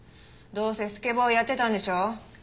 どうせスケボーやってたんでしょ？